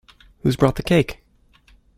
Who's brought the cake?